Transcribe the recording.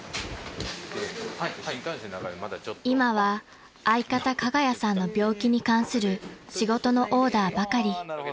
［今は相方加賀谷さんの病気に関する仕事のオーダーばかり］